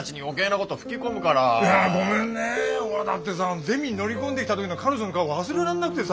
だってさゼミに乗り込んできた時の彼女の顔忘れらんなくてさ。